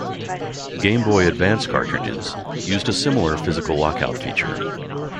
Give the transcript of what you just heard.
Game Boy Advance cartridges used a similar physical lock-out feature.